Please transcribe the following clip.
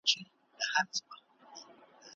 انسان اوس مهال د کایناتو رازونه کشفوي.